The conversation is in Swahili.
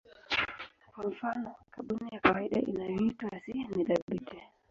Kwa mfano kaboni ya kawaida inayoitwa C ni thabiti.